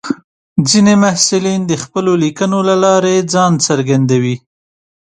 ځینې محصلین د خپلو لیکنو له لارې ځان څرګندوي.